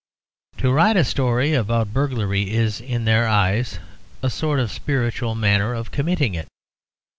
To write a story about a burglary is, in their eyes, a sort of spiritual manner of committing it.